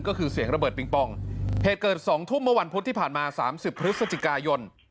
ก็คือเสียงระเบิดปิงปองเหตุเกิดสองทุ่มเมื่อวันพุธที่ผ่านมาสามสิบพฤศจิกายน